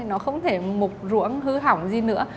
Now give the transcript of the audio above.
nó không thể mục ruộng hư hỏng gì nữa